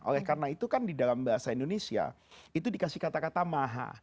oleh karena itu kan di dalam bahasa indonesia itu dikasih kata kata maha